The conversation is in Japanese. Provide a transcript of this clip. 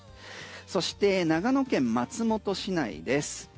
そして長野県松本市内です。